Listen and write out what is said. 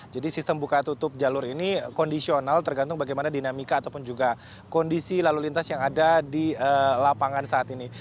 jadi sistem buka tutup jalur ini kondisional tergantung bagaimana dinamika ataupun juga kondisi lalu lintas yang ada di lapangan saat ini